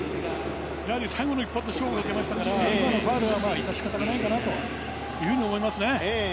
最後の一発で勝負をかけましたから、今のファウルは致し方ないと思います。